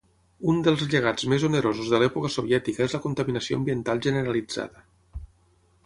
Un dels llegats més onerosos de l'època soviètica és la contaminació ambiental generalitzada.